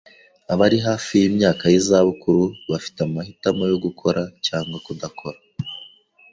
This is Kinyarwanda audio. Abari hafi yimyaka yizabukuru bafite amahitamo yo gukora cyangwa kudakora.